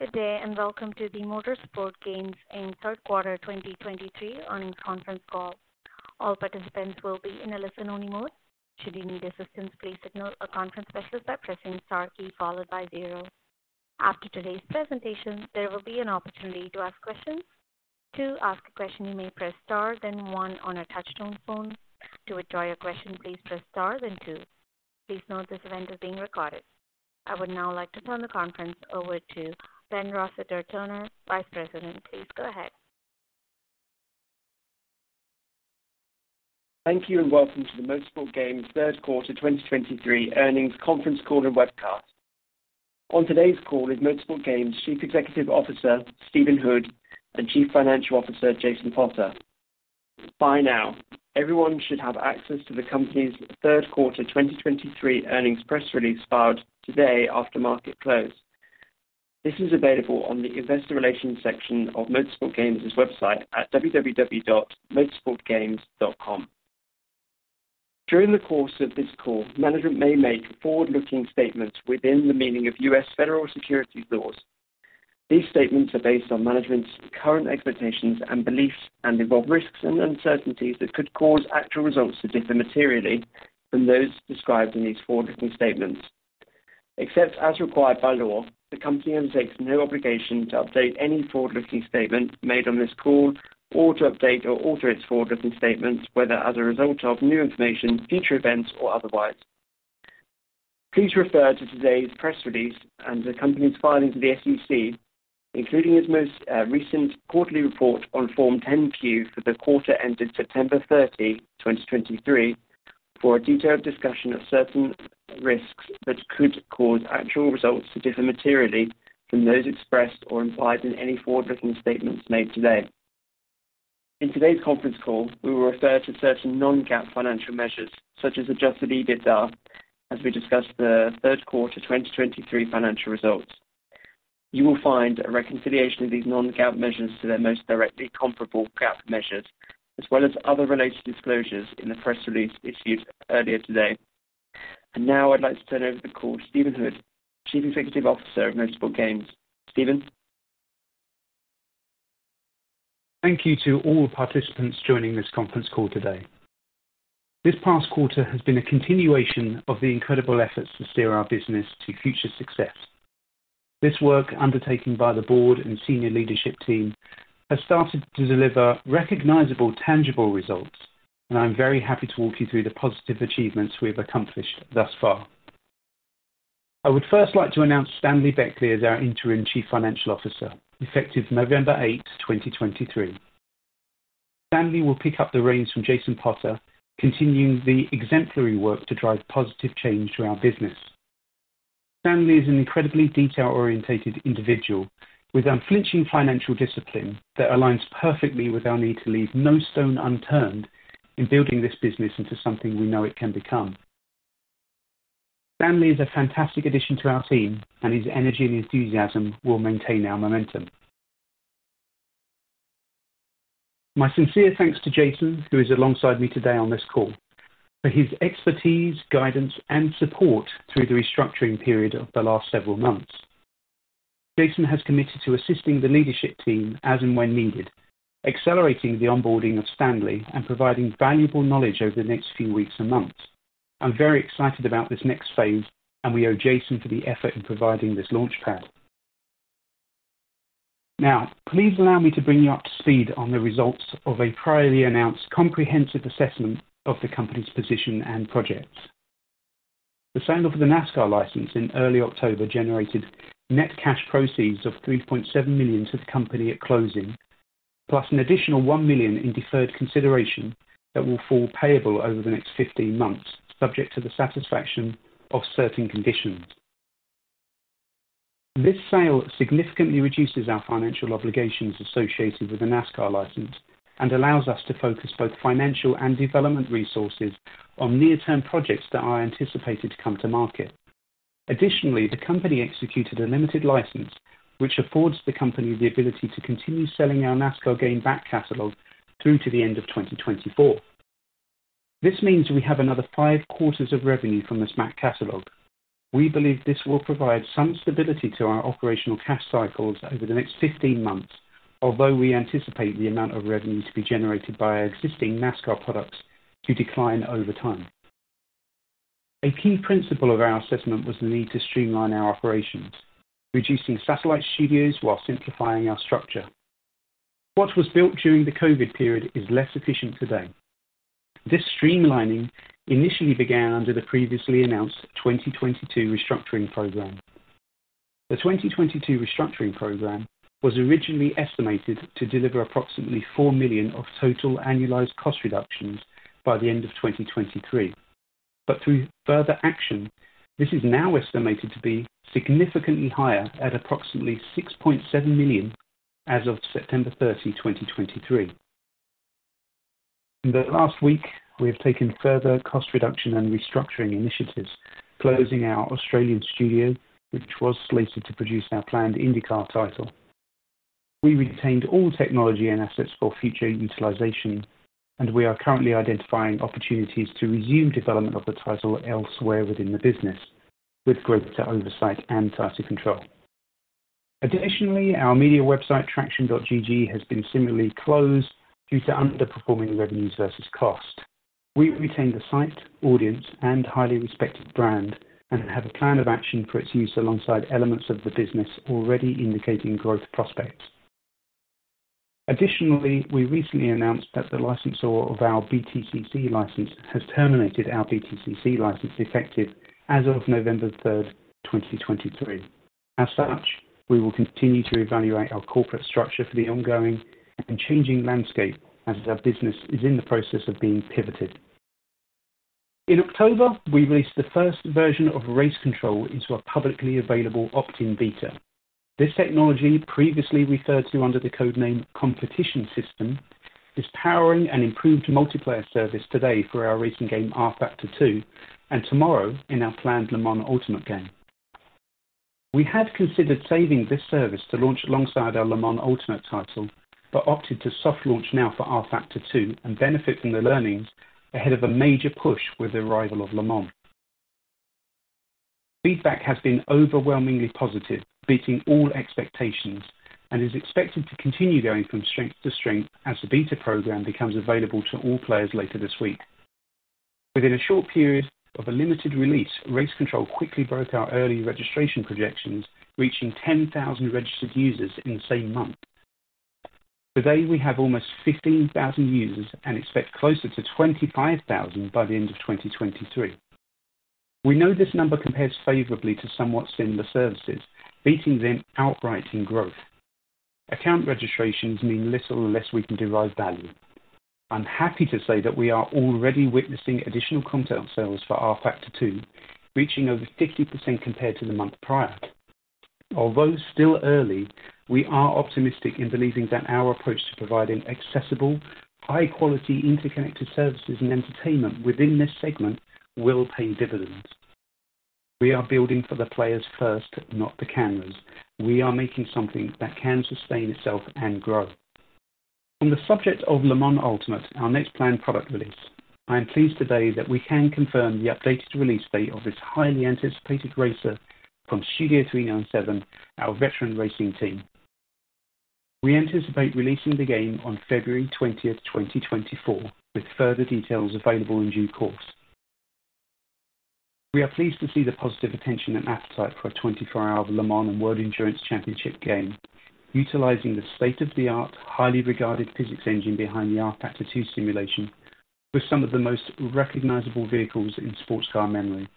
Good day, and welcome to the Motorsport Games Inc. in Third Quarter 2023 Earnings conference call. All participants will be in a listen-only mode. Should you need assistance, please signal a conference specialist by pressing star key followed by zero. After today's presentation, there will be an opportunity to ask questions. To ask a question, you may press star, then one on a touch-tone phone. To withdraw your question, please press star, then two. Please note this event is being recorded. I would now like to turn the conference over to Ben Rossiter-Turner, Vice President. Please go ahead. Thank you, and welcome to the Motorsport Games Third Quarter 2023 earnings conference call and webcast. On today's call is Motorsport Games Chief Executive Officer, Stephen Hood, and Chief Financial Officer, Jason Potter. By now, everyone should have access to the company's third quarter 2023 earnings press release, filed today after market close. This is available on the investor relations section of Motorsport Games's website at www.motorsportgames.com. During the course of this call, management may make forward-looking statements within the meaning of U.S. federal securities laws. These statements are based on management's current expectations and beliefs and involve risks and uncertainties that could cause actual results to differ materially from those described in these forward-looking statements. Except as required by law, the company undertakes no obligation to update any forward-looking statements made on this call or to update or alter its forward-looking statements, whether as a result of new information, future events, or otherwise. Please refer to today's press release and the company's filing to the SEC, including its most recent quarterly report on Form 10-Q for the quarter ended September 30, 2023, for a detailed discussion of certain risks that could cause actual results to differ materially from those expressed or implied in any forward-looking statements made today. In today's conference call, we will refer to certain non-GAAP financial measures, such as Adjusted EBITDA, as we discuss the third quarter 2023 financial results. You will find a reconciliation of these non-GAAP measures to their most directly comparable GAAP measures, as well as other related disclosures in the press release issued earlier today. Now I'd like to turn over the call to Stephen Hood, Chief Executive Officer of Motorsport Games. Stephen? Thank you to all the participants joining this conference call today. This past quarter has been a continuation of the incredible efforts to steer our business to future success. This work, undertaken by the board and senior leadership team, has started to deliver recognizable, tangible results, and I'm very happy to walk you through the positive achievements we have accomplished thus far. I would first like to announce Stanley Beckley as our Interim Chief Financial Officer, effective November 8, 2023. Stanley will pick up the reins from Jason Potter, continuing the exemplary work to drive positive change to our business. Stanley is an incredibly detail-oriented individual with unflinching financial discipline that aligns perfectly with our need to leave no stone unturned in building this business into something we know it can become. Stanley is a fantastic addition to our team, and his energy and enthusiasm will maintain our momentum. My sincere thanks to Jason, who is alongside me today on this call, for his expertise, guidance, and support through the restructuring period of the last several months. Jason has committed to assisting the leadership team as and when needed, accelerating the onboarding of Stanley and providing valuable knowledge over the next few weeks and months. I'm very excited about this next phase, and we owe Jason for the effort in providing this launchpad. Now, please allow me to bring you up to speed on the results of a previously announced comprehensive assessment of the company's position and projects. The sale of the NASCAR license in early October generated net cash proceeds of $3.7 million to the company at closing, plus an additional $1 million in deferred consideration that will fall payable over the next 15 months, subject to the satisfaction of certain conditions. This sale significantly reduces our financial obligations associated with the NASCAR license and allows us to focus both financial and development resources on near-term projects that are anticipated to come to market. Additionally, the company executed a limited license, which affords the company the ability to continue selling our NASCAR game back catalog through to the end of 2024. This means we have another 5 quarters of revenue from the NASCAR catalog. We believe this will provide some stability to our operational cash cycles over the next 15 months, although we anticipate the amount of revenue to be generated by our existing NASCAR products to decline over time. A key principle of our assessment was the need to streamline our operations, reducing satellite studios while simplifying our structure. What was built during the COVID period is less efficient today. This streamlining initially began under the previously announced 2022 restructuring program. The 2022 restructuring program was originally estimated to deliver approximately $4 million of total annualized cost reductions by the end of 2023. But through further action, this is now estimated to be significantly higher at approximately $6.7 million as of September 30, 2023. In the last week, we have taken further cost reduction and restructuring initiatives, closing our Australian studio, which was slated to produce our planned IndyCar title. We retained all technology and assets for future utilization, and we are currently identifying opportunities to resume development of the title elsewhere within the business, with greater oversight and tighter control. Additionally, our media website, Traxion.gg, has been similarly closed due to underperforming revenues versus cost. We retained the site, audience, and highly respected brand, and have a plan of action for its use alongside elements of the business already indicating growth prospects. Additionally, we recently announced that the licensor of our BTCC license has terminated our BTCC license, effective as of November 3, 2023. As such, we will continue to evaluate our corporate structure for the ongoing and changing landscape as our business is in the process of being pivoted. In October, we released the first version of RaceControl into a publicly available opt-in beta. This technology, previously referred to under the code name Competition System, is powering an improved multiplayer service today for our racing game, rFactor 2, and tomorrow in our planned Le Mans Ultimate game. We had considered saving this service to launch alongside our Le Mans Ultimate title, but opted to soft launch now for rFactor 2 and benefit from the learnings ahead of a major push with the arrival of Le Mans. Feedback has been overwhelmingly positive, beating all expectations, and is expected to continue going from strength to strength as the beta program becomes available to all players later this week. Within a short period of a limited release, RaceControl quickly broke our early registration projections, reaching 10,000 registered users in the same month. Today, we have almost 15,000 users and expect closer to 25,000 by the end of 2023. We know this number compares favorably to somewhat similar services, beating them outright in growth. Account registrations mean little unless we can derive value. I'm happy to say that we are already witnessing additional content sales for rFactor 2, reaching over 50% compared to the month prior. Although still early, we are optimistic in believing that our approach to providing accessible, high-quality, interconnected services and entertainment within this segment will pay dividends. We are building for the players first, not the cameras. We are making something that can sustain itself and grow. On the subject of Le Mans Ultimate, our next planned product release, I am pleased today that we can confirm the updated release date of this highly anticipated racer from Studio 397, our veteran racing team. We anticipate releasing the game on February 20, 2024, with further details available in due course. We are pleased to see the positive attention and appetite for a 24-hour Le Mans World Endurance Championship game, utilizing the state-of-the-art, highly regarded physics engine behind the rFactor 2 simulation, with some of the most recognizable vehicles in sports car memory.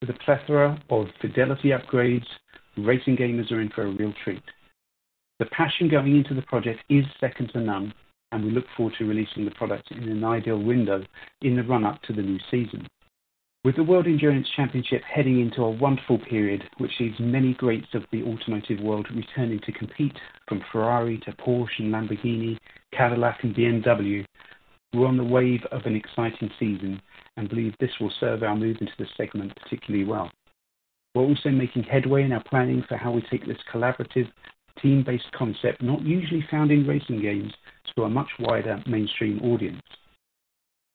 With a plethora of fidelity upgrades, racing gamers are in for a real treat. The passion going into the project is second to none, and we look forward to releasing the product in an ideal window in the run-up to the new season. With the World Endurance Championship heading into a wonderful period, which sees many greats of the automotive world returning to compete, from Ferrari to Porsche and Lamborghini, Cadillac and BMW, we're on the wave of an exciting season and believe this will serve our move into the segment particularly well. We're also making headway in our planning for how we take this collaborative, team-based concept, not usually found in racing games, to a much wider mainstream audience.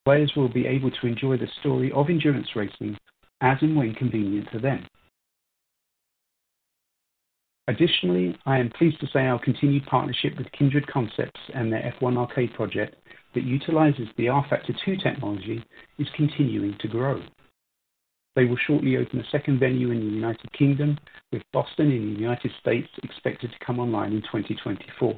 Players will be able to enjoy the story of endurance racing as and when convenient for them. Additionally, I am pleased to say our continued partnership with Kindred Concepts and their F1 Arcade project that utilizes the rFactor 2 technology, is continuing to grow. They will shortly open a second venue in the United Kingdom, with Boston in the United States expected to come online in 2024.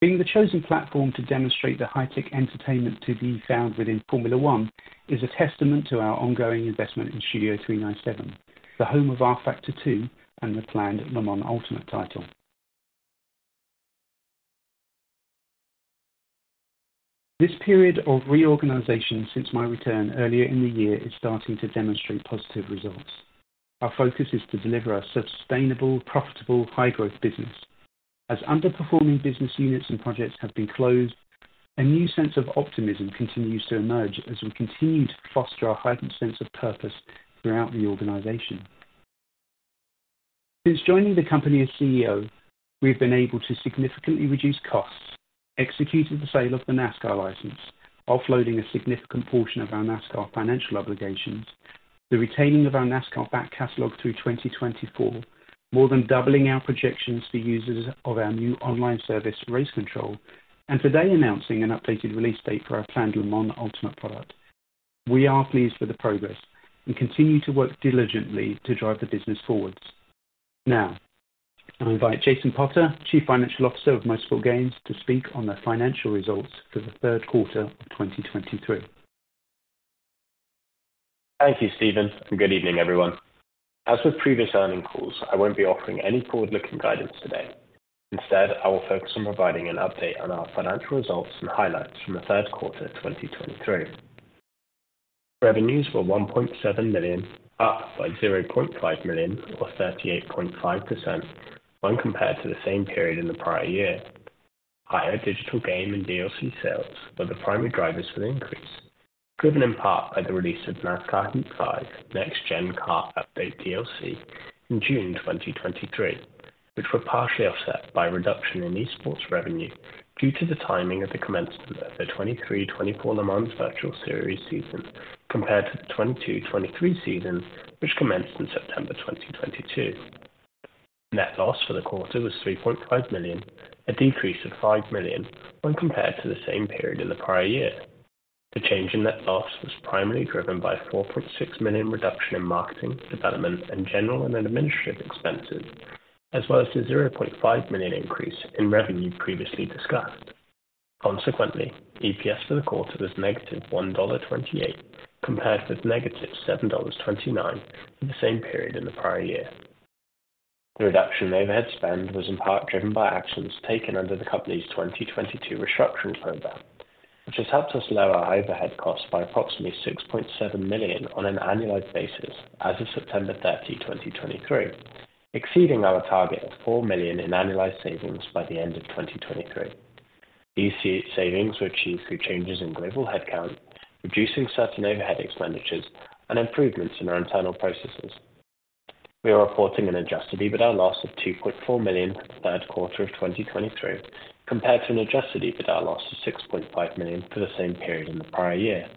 Being the chosen platform to demonstrate the high-tech entertainment to be found within Formula 1 is a testament to our ongoing investment in Studio 397, the home of rFactor 2 and the planned Le Mans Ultimate title. This period of reorganization since my return earlier in the year is starting to demonstrate positive results. Our focus is to deliver a sustainable, profitable, high-growth business. As underperforming business units and projects have been closed, a new sense of optimism continues to emerge as we continue to foster a heightened sense of purpose throughout the organization. Since joining the company as CEO, we've been able to significantly reduce costs, executed the sale of the NASCAR license, offloading a significant portion of our NASCAR financial obligations, the retaining of our NASCAR back catalog through 2024, more than doubling our projections for users of our new online service, RaceControl, and today announcing an updated release date for our planned Le Mans Ultimate product. We are pleased with the progress and continue to work diligently to drive the business forwards. Now, I invite Jason Potter, Chief Financial Officer of Motorsport Games, to speak on the financial results for the third quarter of 2023. Thank you, Stephen, and good evening, everyone. As with previous earnings calls, I won't be offering any forward-looking guidance today. Instead, I will focus on providing an update on our financial results and highlights from the third quarter, 2023. Revenues were $1.7 million, up by $0.5 million or 38.5% when compared to the same period in the prior year. Higher digital game and DLC sales were the primary drivers for the increase, driven in part by the release of NASCAR Heat 5 - Next Gen Car Update DLC in June 2023, which were partially offset by a reduction in esports revenue due to the timing of the commencement of the 2023-2024 Le Mans Virtual Series season, compared to the 2022-2023 season, which commenced in September 2022. Net loss for the quarter was $3.5 million, a decrease of $5 million when compared to the same period in the prior year. The change in net loss was primarily driven by a $4.6 million reduction in marketing, development, and general and administrative expenses, as well as the $0.5 million increase in revenue previously discussed. Consequently, EPS for the quarter was -$1.28, compared with -$7.29 for the same period in the prior year. The reduction in overhead spend was in part driven by actions taken under the company's 2022 restructuring program, which has helped us lower our overhead costs by approximately $6.7 million on an annualized basis as of September 30, 2023, exceeding our target of $4 million in annualized savings by the end of 2023. These savings were achieved through changes in global headcount, reducing certain overhead expenditures, and improvements in our internal processes. We are reporting an adjusted EBITDA loss of $2.4 million for the third quarter of 2023, compared to an Adjusted EBITDA loss of $6.5 million for the same period in the prior year.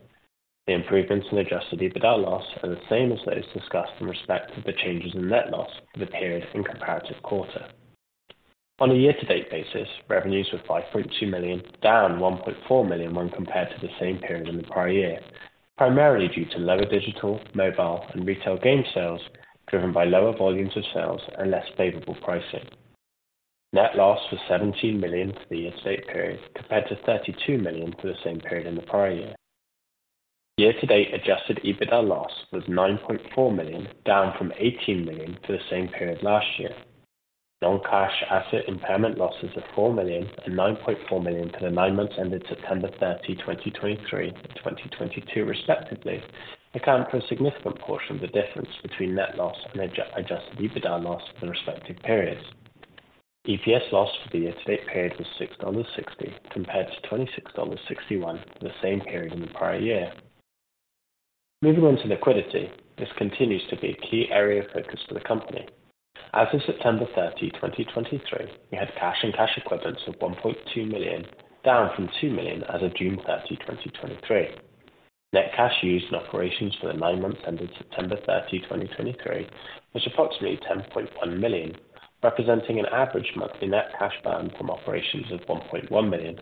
The improvements in Adjusted EBITDA loss are the same as those discussed in respect of the changes in net loss for the period and comparative quarter. On a year-to-date basis, revenues were $5.2 million, down $1.4 million when compared to the same period in the prior year, primarily due to lower digital, mobile, and retail game sales, driven by lower volumes of sales and less favorable pricing. Net loss was $17 million for the year-to-date period, compared to $32 million for the same period in the prior year. Year-to-date Adjusted EBITDA loss was $9.4 million, down from $18 million for the same period last year. Non-cash asset impairment losses of $4 million and $9.4 million for the nine months ended September 30, 2023 and 2022 respectively, account for a significant portion of the difference between net loss and Adjusted EBITDA loss for the respective periods. EPS loss for the year-to-date period was $6.60, compared to $26.61 for the same period in the prior year. Moving on to liquidity, this continues to be a key area of focus for the company. As of September 30, 2023, we had cash and cash equivalents of $1.2 million, down from $2 million as of June 30, 2023. Net cash used in operations for the 9 months ended September 30, 2023, was approximately $10.1 million, representing an average monthly net cash burn from operations of $1.1 million,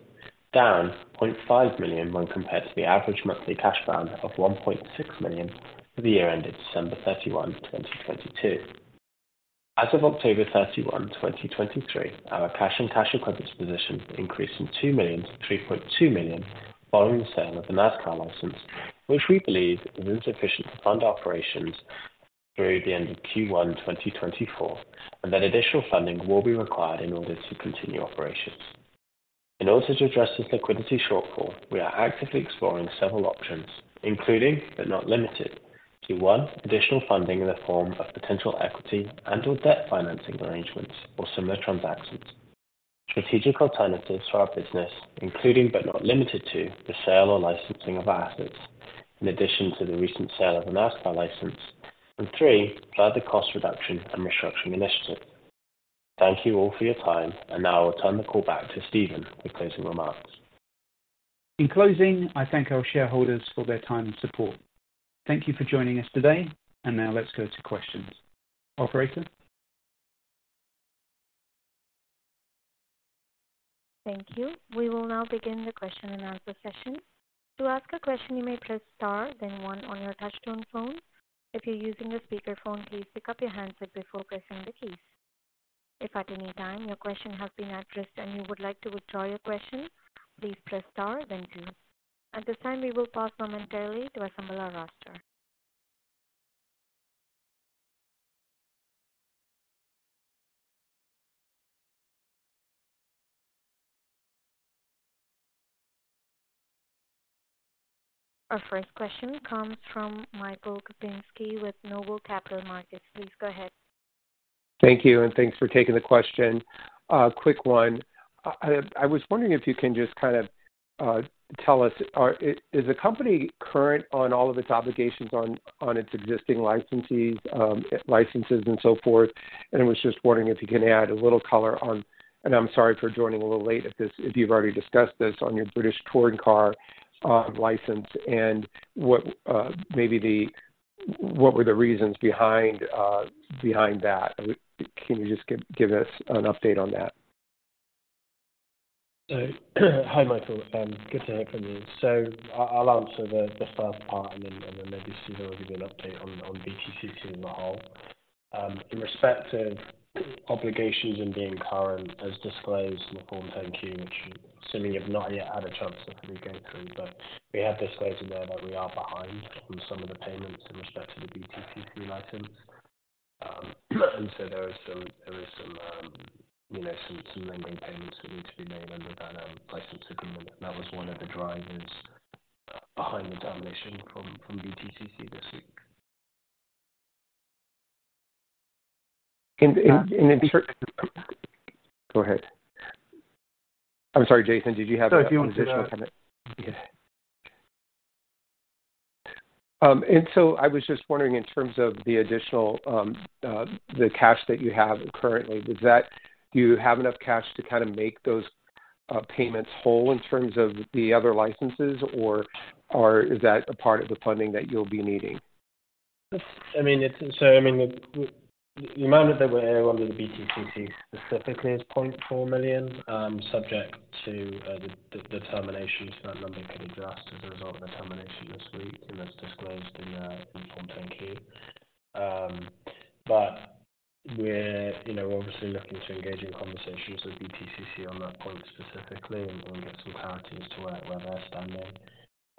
down $0.5 million when compared to the average monthly cash burn of $1.6 million for the year ended December 31, 2022. As of October 31, 2023, our cash and cash equivalents position increased from $2 million to $3.2 million following the sale of the NASCAR license, which we believe is insufficient to fund operations through the end of Q1 2024, and that additional funding will be required in order to continue operations. In order to address this liquidity shortfall, we are actively exploring several options, including, but not limited to: 1, additional funding in the form of potential equity and/or debt financing arrangements or similar transactions. Strategic alternatives to our business, including, but not limited to, the sale or licensing of our assets, in addition to the recent sale of the NASCAR license. And three, further cost reduction and restructuring initiatives. Thank you all for your time, and now I'll turn the call back to Stephen for closing remarks. In closing, I thank our shareholders for their time and support. Thank you for joining us today, and now let's go to questions. Operator? Thank you. We will now begin the question and answer session. To ask a question, you may press star then one on your touchtone phone. If you're using a speakerphone, please pick up your handset before pressing the keys. If at any time your question has been addressed and you would like to withdraw your question, please press star then two. At this time, we will pause momentarily to assemble our roster. Our first question comes from Michael Kupinski with Noble Capital Markets. Please go ahead. Thank you, and thanks for taking the question. Quick one. I was wondering if you can just kind of tell us, is the company current on all of its obligations on its existing licensees, licenses and so forth? And I was just wondering if you can add a little color on, and I'm sorry for joining a little late if this, if you've already discussed this, on your British Touring Car license and what, maybe what were the reasons behind that? Can you just give us an update on that? So, hi, Michael, good to hear from you. So I’ll answer the first part and then maybe Stephen will give you an update on BTCC as a whole. In respect to obligations and being current, as disclosed in the Form 10-K, which assuming you’ve not yet had a chance to dig through, but we have disclosed in there that we are behind on some of the payments in respect to the BTCC license. And so there is some, you know, some pending payments that need to be made under that license agreement. That was one of the drivers behind the dilation from BTCC this week. Go ahead. I'm sorry, Jason, did you have an additional comment? No, if you want to And so I was just wondering, in terms of the additional, the cash that you have currently, does that... Do you have enough cash to kind of make those payments whole in terms of the other licenses, or is that a part of the funding that you'll be needing? I mean, it's the amount that we're under the BTCC specifically is $0.4 million, subject to the termination. So that number can adjust as a result of the termination this week, and that's disclosed in the Form 10-Q. But we're, you know, obviously looking to engage in conversations with BTCC on that point specifically and get some clarity as to where they're standing.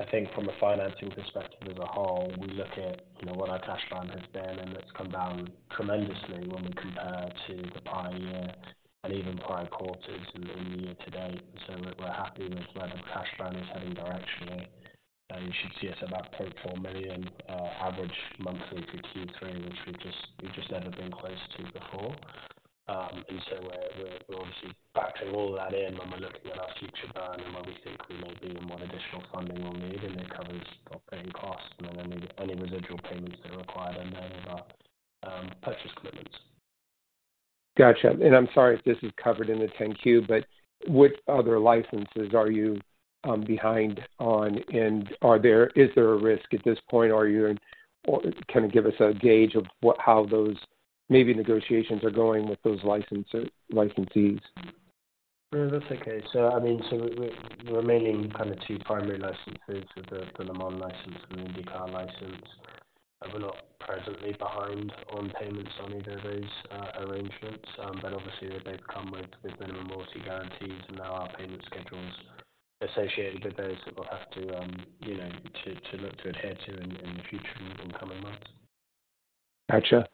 I think from a financing perspective as a whole, we look at, you know, what our cash burn has been, and it's come down tremendously when we compare to the prior year and even prior quarters in the year to date. So we're happy with where the cash burn is heading directionally. You should see us about $0.4 million average monthly for Q3, which we've never been close to before. So we're obviously factoring all of that in when we're looking at our future burn and where we think we may be and what additional funding we'll need, and it covers operating costs and then any residual payments that are required in there that are purchase commitments. Gotcha. And I'm sorry if this is covered in the 10-Q, but which other licenses are you behind on? And are there—is there a risk at this point, or are you in... Or kind of give us a gauge of what, how those maybe negotiations are going with those licensees? No, that's okay. So I mean, the remaining kind of two primary licenses are the Le Mans license and the Dakar license. We're not presently behind on payments on either of those arrangements, but obviously they've come with minimum royalty guarantees and there are payment schedules associated with those that we'll have to, you know, look to adhere to in the future in coming months. Gotcha.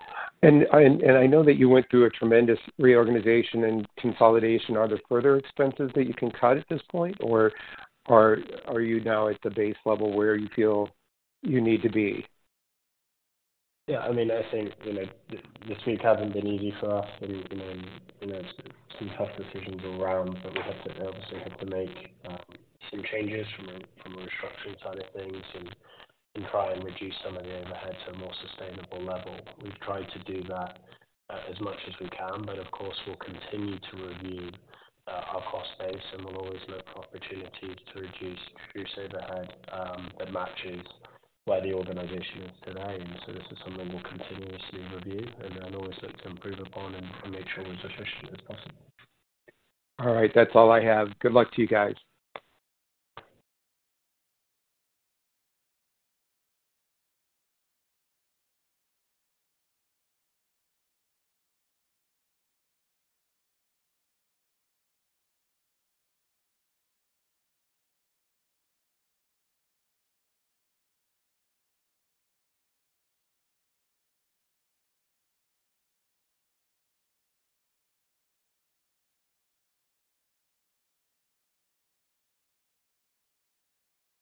And I know that you went through a tremendous reorganization and consolidation. Are there further expenses that you can cut at this point, or are you now at the base level where you feel you need to be? Yeah, I mean, I think, you know, this week hasn't been easy for us and, you know, some tough decisions around, but we have to obviously make some changes from a restructuring side of things and try and reduce some of the overhead to a more sustainable level. We've tried to do that, as much as we can, but of course, we'll continue to review our cost base, and we'll always look for opportunities to reduce future overhead that matches where the organization is today. So this is something we'll continuously review and always look to improve upon and make sure we're as efficient as possible. All right. That's all I have. Good luck to you guys.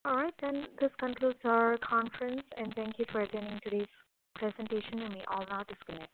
All right, then this concludes our conference, and thank you for attending today's presentation. You may all now disconnect.